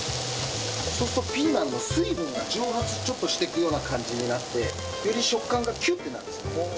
そうするとピーマンの水分が蒸発していくような感じになってより食感がキュッてなるんです。